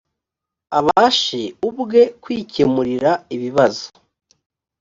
abashe ubwe kwikemurira ibibazo